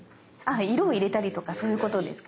色を入れたりとかそういうことですか？